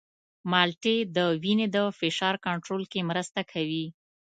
مالټې د وینې د فشار کنټرول کې مرسته کوي.